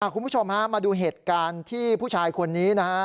คุณผู้ชมฮะมาดูเหตุการณ์ที่ผู้ชายคนนี้นะฮะ